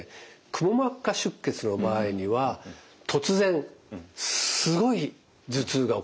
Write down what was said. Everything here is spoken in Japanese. くも膜下出血の場合には突然すごい頭痛が起こると。